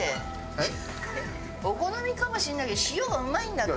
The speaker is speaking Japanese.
えっ？お好みかもしれないけど塩がうまいんだって。